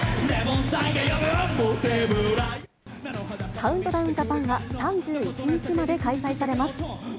カウントダウンジャパンは、３１日まで開催されます。